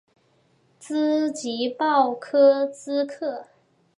瑙吉鲍科瑙克。